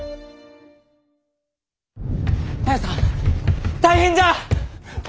綾さん大変じゃ！